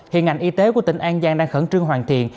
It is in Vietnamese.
hiện ngành y tế của tỉnh an giang đang khẩn trương hoàn thiện